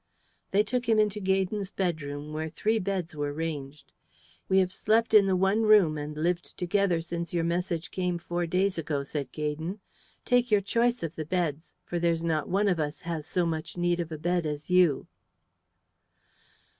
They took him into Gaydon's bedroom, where three beds were ranged. "We have slept in the one room and lived together since your message came four days ago," said Gaydon. "Take your choice of the beds, for there's not one of us has so much need of a bed as you."